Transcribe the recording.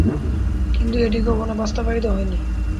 কিন্তু এটি কখনো বাস্তবায়িত হয়নি।